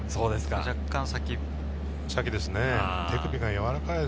若干、先ですね。